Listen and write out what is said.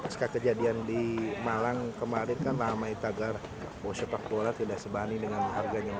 sekar kejadian di malang kemarin tanpa amai tagar sepak bola tidak sebani dengan harganya